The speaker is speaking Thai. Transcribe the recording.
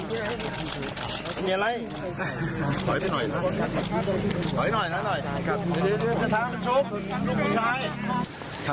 เฮ้ยสิ่งออกมา